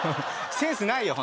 センスないよ